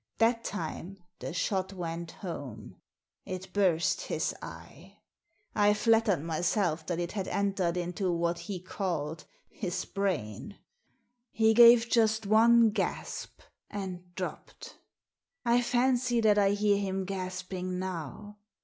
That time the shot went home. It burst his eye. I flattered myself that it had entered into what he called his brain. He gave just one gasp, and dropped. I fancy that I hear him gasping now.